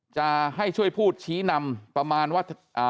จะให้ช่วยพูดชี้นำประมาณว่า